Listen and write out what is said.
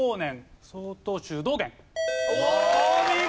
お見事！